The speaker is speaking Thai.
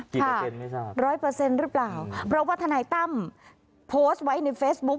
เปอร์เซ็นต์ไม่ทราบร้อยเปอร์เซ็นต์หรือเปล่าเพราะว่าทนายตั้มโพสต์ไว้ในเฟซบุ๊ค